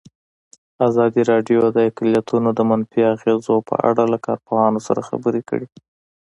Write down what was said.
ازادي راډیو د اقلیتونه د منفي اغېزو په اړه له کارپوهانو سره خبرې کړي.